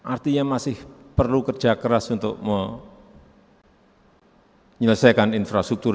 artinya masih perlu kerja keras untuk menyelesaikan infrastruktur